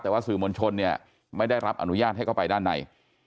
แต่ว่าสื่อมวลชนเนี่ยไม่ได้รับอนุญาตให้เข้าไปด้านใน